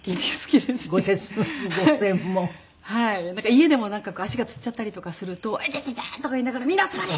家でもなんか足がつっちゃったりとかすると「痛てて」とか言いながら「みんな集まれ。